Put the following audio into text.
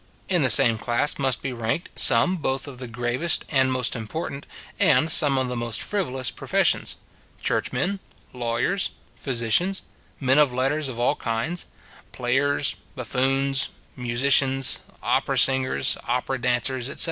In the same class must be ranked, some both of the gravest and most important, and some of the most frivolous professions; churchmen, lawyers, physicians, men of letters of all kinds; players, buffoons, musicians, opera singers, opera dancers, etc.